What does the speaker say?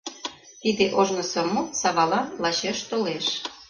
Тиде ожнысо мут Савалан лачеш толеш.